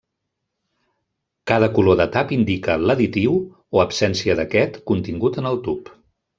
Cada color de tap indica l'additiu, o absència d'aquest, contingut en el tub.